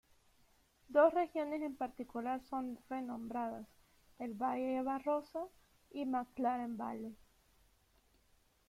Dos regiones en particular son renombradas: el Valle Barrosa y McLaren Vale.